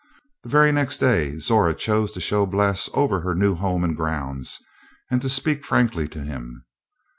The very next day Zora chose to show Bles over her new home and grounds, and to speak frankly to him.